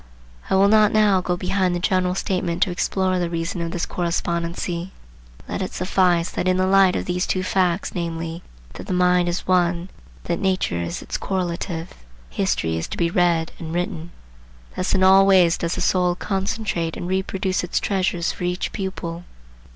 I will not now go behind the general statement to explore the reason of this correspondency. Let it suffice that in the light of these two facts, namely, that the mind is One, and that nature is its correlative, history is to be read and written. Thus in all ways does the soul concentrate and reproduce its treasures for each pupil.